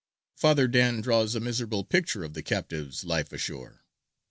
_)] Father Dan draws a miserable picture of the captives' life ashore.